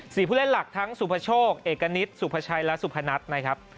ผู้เล่นหลักทั้งสุภโชคเอกณิตสุภาชัยและสุพนัทนะครับ